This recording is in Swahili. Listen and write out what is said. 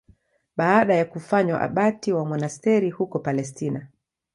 Baada ya kufanywa abati wa monasteri huko Palestina.